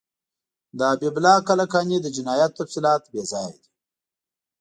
د حبیب الله کلکاني د جنایاتو تفصیلات بیځایه دي.